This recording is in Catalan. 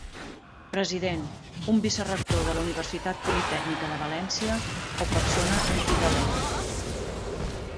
President: un vicerector de la Universitat Politècnica de València o persona en qui delegue.